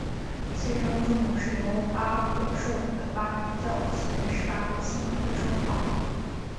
新生字母是由巴孛授予的巴比教前十八个信徒的称号。